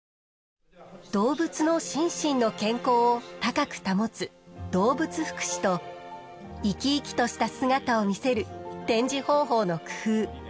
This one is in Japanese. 動物の心身の健康を高く保つ動物福祉と生き生きとした姿を見せる展示方法の工夫。